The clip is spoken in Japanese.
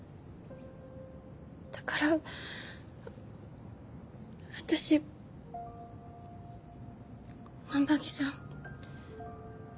だから私万場木さん